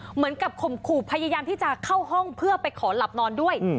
ข่มขู่พยายามที่จะเข้าห้องเพื่อไปขอหลับนอนด้วย